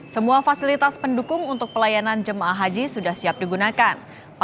semua fasilitas pendukung untuk pelayanan jemaah haji sudah siap digunakan